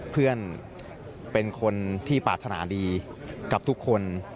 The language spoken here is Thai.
เพื่อนเป็นคนที่ปรารถนาดีกับทุกคน